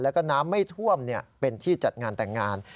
แล้วก็น้ำไม่ท่วมเป็นที่จัดงานแต่งงาน